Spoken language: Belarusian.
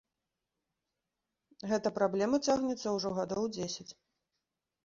Гэта праблема цягнецца ўжо гадоў дзесяць.